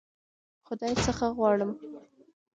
خدای څخه غواړم.